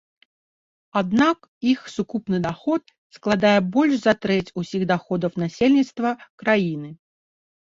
Аднак іх сукупны даход складае больш за трэць усіх даходаў насельніцтва краіны.